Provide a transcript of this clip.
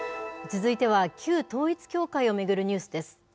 続いては旧統一教会を巡るニュースです。